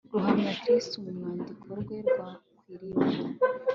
ruhamya kristu mu rwandiko rwe rwakiriwe